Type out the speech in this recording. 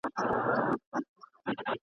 ورو په ورو د دام پر لوري ور روان سو ..